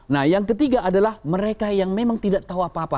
nah yang ketiga adalah mereka yang memang tidak tahu apa apa